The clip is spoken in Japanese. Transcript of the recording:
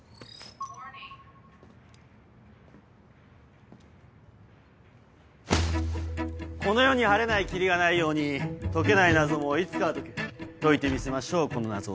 Ｗａｒｎｉｎｇ．この世に晴れない霧がないように解けない謎もいつかは解ける解いてみせましょうこの謎を。